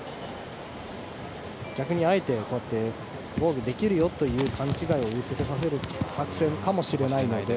逆にあえて防御できるよという勘違いを見せる作戦かもしれないので。